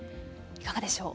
いかがでしょうか。